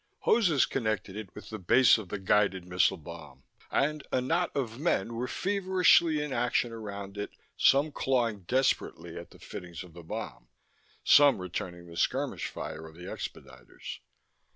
Hoses connected it with the base of the guided missile bomb; and a knot of men were feverishly in action around it, some clawing desperately at the fittings of the bomb, some returning the skirmish fire of the expediters.